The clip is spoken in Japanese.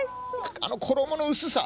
あの衣の薄さ！